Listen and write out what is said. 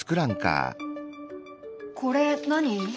これ何？